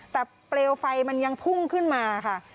แต่เปลวไฟมันยังพุ่งขึ้นมาค่ะ